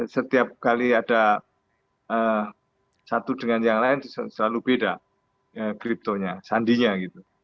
setiap kali ada satu dengan yang lain selalu beda kriptonya sandinya gitu